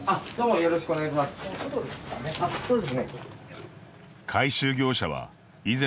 よろしくお願いします。